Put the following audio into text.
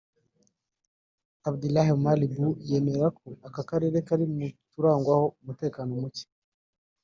Abdillahi Omar Bouh yemera ko aka karere kari mu turangwamo umutekano muke